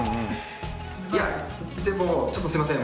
いやでもちょっとすいません